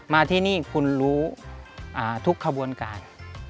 มาที่นี่คุณรู้ทุกขบวนการ